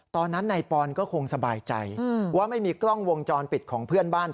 ตอนนั้นนายปอนก็คงสบายใจว่าไม่มีกล้องวงจรปิดของเพื่อนบ้าน